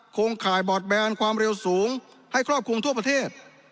โครงข่ายบอดแบนความเร็วสูงให้ครอบคลุมทั่วประเทศ